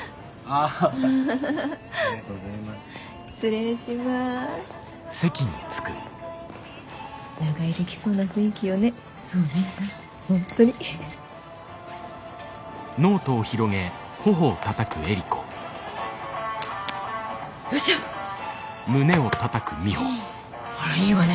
あらいいわね。